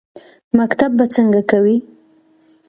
_مکتب به څنګه کوې؟